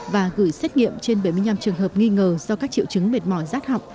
và gửi xét nghiệm trên bảy mươi năm trường hợp nghi ngờ do các triệu chứng mệt mỏi rát học